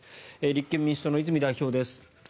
立憲民主党の泉代表です。